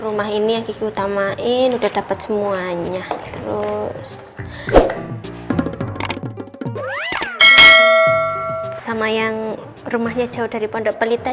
rumah ini yang dikutamain udah dapat semuanya terus sama yang rumahnya jauh dari pondok pelita